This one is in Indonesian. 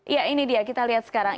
ya ini dia kita lihat sekarang